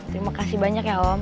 terima kasih banyak ya om